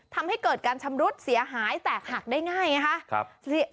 ทำให้เกิดการชำรุดเสียหายแตกหักได้ง่ายไงคะ